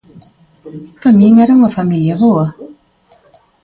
Para min era unha familia boa.